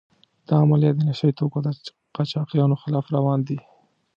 دا عملیات د نشه يي توکو د قاچاقچیانو خلاف روان دي.